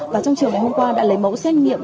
và trong trường hôm qua đã lấy mẫu xét nghiệm